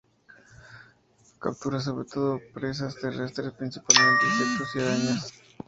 Captura sobre todo presas terrestres, principalmente insectos y arañas.